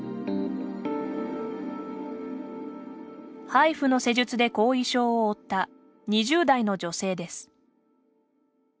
ハイフの施術で後遺症を負った２０代の女性です。